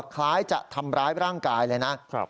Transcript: คล้ายจะทำร้ายร่างกายเลยนะ